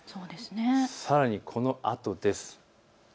さらにこのあとです。